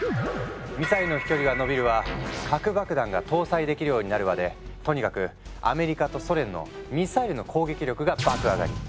ミサイルの飛距離はのびるわ核爆弾が搭載できるようになるわでとにかくアメリカとソ連のミサイルの攻撃力が爆上がり。